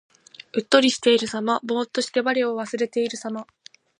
うっとりしているさま。ぼうっとして我を忘れているさま。